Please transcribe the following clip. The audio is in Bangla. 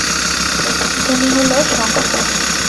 প্রথম ধ্বনি হল শঙ্খধ্বনি।